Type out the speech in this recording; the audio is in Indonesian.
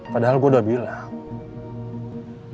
padahal gua udah bilang